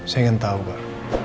saya ingin tahu pak